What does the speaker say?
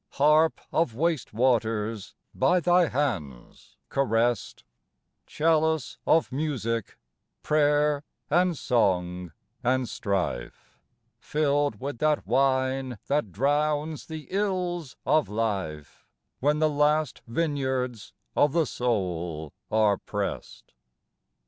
Harp of waste waters by thy hands caressed, Chalice of music prayer and song and strife Filled with that wine that drowns the ills of life When the last vineyards of the soul are pressed.